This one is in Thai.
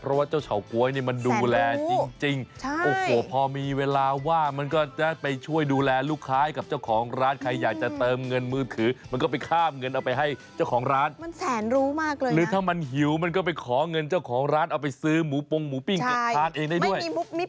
แล้วเฉาก๊วยเนี่ยลักษณะนิสัยเขาคือน่ารักไม่ดุร้ายแล้วก็ชอบเล่นกับคนด้วย